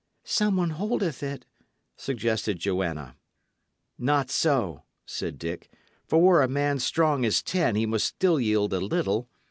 "Some one holdeth it," suggested Joanna. "Not so," said Dick; "for were a man strong as ten, he must still yield a little.